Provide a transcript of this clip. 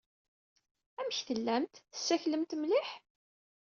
Amek tellamt? Tessaklemt mliḥ?